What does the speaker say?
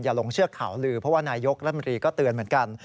หลงเชื่อข่าวลือเพราะว่านายกรัฐมนตรีก็เตือนเหมือนกัน